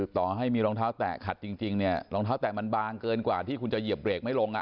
ต่อให้มีรองเท้าแตะขัดจริงเนี่ยรองเท้าแตะมันบางเกินกว่าที่คุณจะเหยียบเบรกไม่ลง